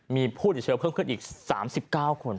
มีผู้ติดเชื้อเครื่องเคลื่อนอีก๓๙คน